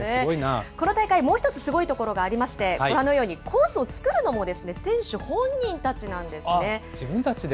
この大会、もう一つすごいところがありまして、ご覧のように、コースを作るのも選手本人たちな自分たちで？